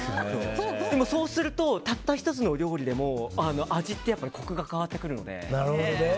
でも、そうするとたった１つの料理でも味ってコクが変わってくるので。